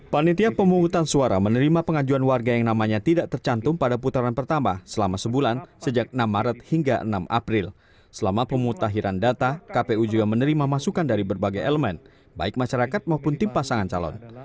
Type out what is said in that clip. penghitungan suara akhir ini merupakan penyempurnaan daftar pemilih tetap pada pilkada dki putaran ke dua di hotel bidakara kamis malam